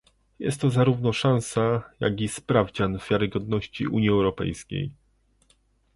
Jest to zarówno szansa, jak i sprawdzian wiarygodności Unii Europejskiej